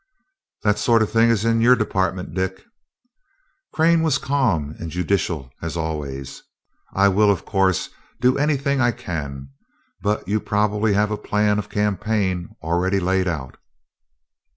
"That sort of thing is in your department, Dick." Crane was calm and judicial as always. "I will, of course, do anything I can. But you probably have a plan of campaign already laid out?"